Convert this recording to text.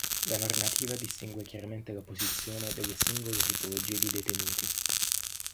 La normativa distingue chiaramente la posizione delle singole tipologie di detenuti.